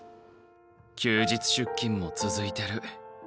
休日出勤も続いてる。